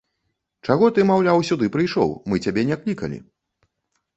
Чаго ты, маўляў, сюды прыйшоў, мы цябе не клікалі.